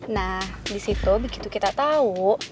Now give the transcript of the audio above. nah disitu begitu kita tahu